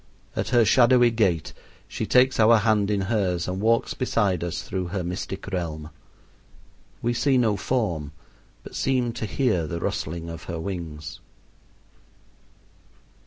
At her shadowy gate she takes our hand in hers and walks beside us through her mystic realm. We see no form, but seem to hear the rustling of her wings.